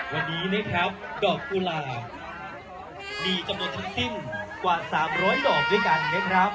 วันนี้นะครับดอกกุหลาบมีจำนวนทั้งสิ้นกว่า๓๐๐ดอกด้วยกันนะครับ